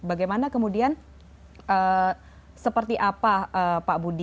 bagaimana kemudian seperti apa pak budi